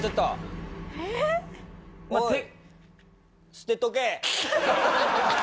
捨てとけ！